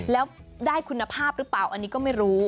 แล้วได้คุณภาพหรือเปล่าอันนี้ก็ไม่รู้